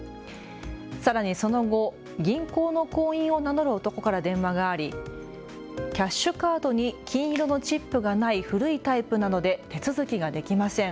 さらにその後、銀行の行員を名乗る男から電話がありキャッシュカードに金色のチップがない古いタイプなので手続きができません。